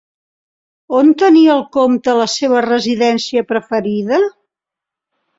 On tenia el comte la seva residència preferida?